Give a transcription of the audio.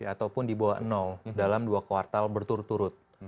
ataupun di bawah dalam dua kuartal berturut turut